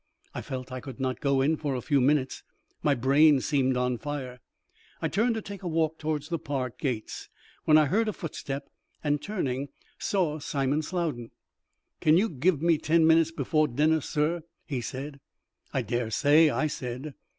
I felt I could not go in for a few minutes; my brain seemed on fire. I turned to take a walk towards the park gates, when I heard a footstep, and turning, saw Simon Slowden. "Can you give me ten minutes before dinner, sur?" he said. "I dare say," I said.